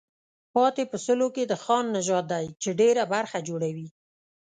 پاتې په سلو کې د خان نژاد دی چې ډېره برخه جوړوي.